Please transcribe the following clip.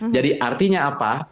jadi artinya apa